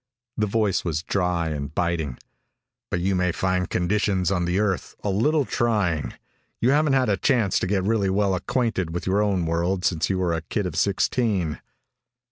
The voice was dry and biting. "But you may find conditions on the Earth a little trying. You haven't had a chance to get really well acquainted with your own world since you were a kid of sixteen."